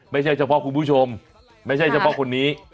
ไม่ใช่เฉพาะคุณผู้ชมไม่ใช่เฉพาะคนนี้